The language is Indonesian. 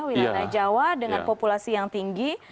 wilayah jawa dengan populasi yang tinggi